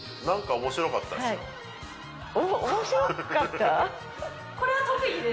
何か面白かったですよ